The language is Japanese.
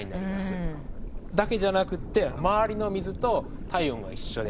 だけじゃなくって周りの水と体温が一緒で。